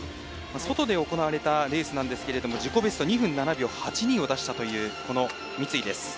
外で行われたレースなんですけど自己ベスト２分７秒８２を出した三井です。